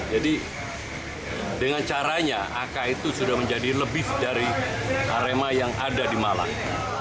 jadi dengan caranya ak itu sudah menjadi lebih dari arema yang ada di malang